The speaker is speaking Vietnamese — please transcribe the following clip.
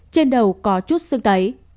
trên đầu có chút xương tấy